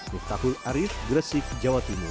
miftahul arief gresik jawa timur